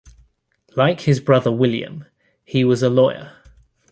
Like his brother William, he was a lawyer.